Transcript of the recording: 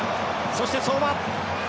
そして、相馬。